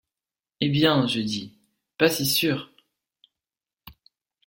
Eh bien, je dis: pas si sûr!